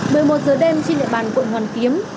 một mươi một giờ đêm trên địa bàn quận hoàn kiếm